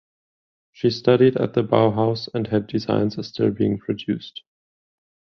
She studied at the Bauhaus and her designs are still being produced.